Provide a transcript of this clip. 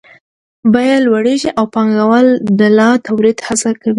بیې لوړېږي او پانګوال د لا تولید هڅه کوي